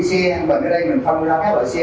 nó chỉ xe anh hồn ở đây mình phân biệt ra các loại xe